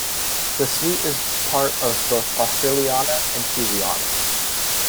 The sweet is part of both Australiana and Kiwiana.